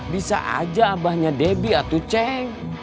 bisa aja abahnya debbie atau ceng